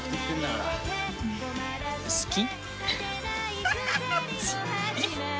好き？